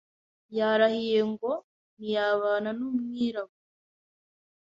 Yarahiye ngo ntiyabana numwirabura.